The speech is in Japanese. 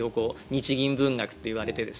日銀文学といわれて。